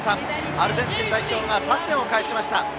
アルゼンチン代表が３点を返しました！